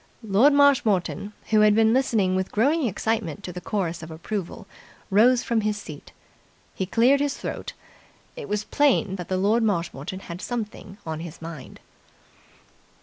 Lord Marshmoreton, who had been listening with growing excitement to the chorus of approval, rose from his seat. He cleared his throat. It was plain that Lord Marshmoreton had something on his mind.